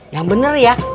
yang bener ya